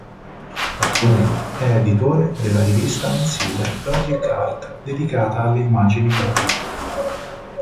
Attualmente è editore della rivista mensile "Logic Art", dedicata alle immagini logiche.